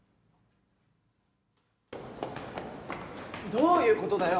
どういうことだよ？